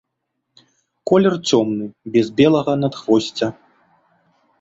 Колер цёмны, без белага надхвосця.